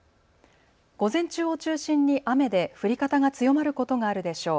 午前中を中心に雨で降り方が強まることがあるでしょう。